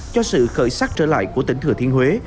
cho sự khởi sắc trở lại của tỉnh thừa thiên huế